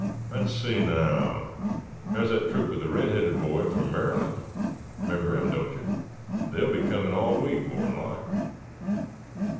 "Let's see, naouw, thar's thet troop with the red headed boy from Merryland—'member 'em, don't ye? They'll be comin' all week, more'n like.